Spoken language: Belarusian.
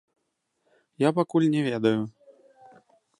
Я пакуль не ведаю.